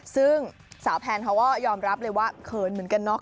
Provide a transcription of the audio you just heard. ซึ่งสาวแพนเขาก็ยอมรับเลยว่าเขินเหมือนกันเนาะ